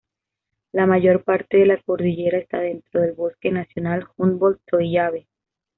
La mayor parte de la cordillera está dentro del bosque Nacional Humboldt-Toiyabe.